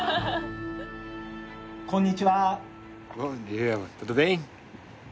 こんにちは。